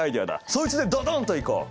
そいつでドドンといこう。